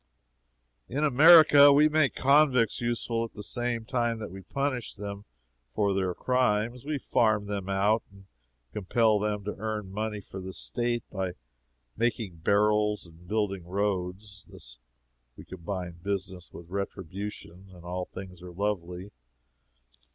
In America we make convicts useful at the same time that we punish them for their crimes. We farm them out and compel them to earn money for the State by making barrels and building roads. Thus we combine business with retribution, and all things are lovely.